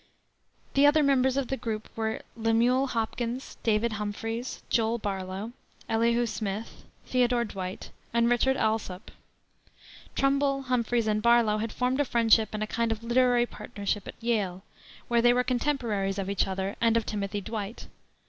The other members of the group were Lemuel Hopkins, David Humphreys, Joel Barlow, Elihu Smith, Theodore Dwight, and Richard Alsop. Trumbull, Humphreys, and Barlow had formed a friendship and a kind of literary partnership at Yale, where they were contemporaries of each other and of Timothy Dwight.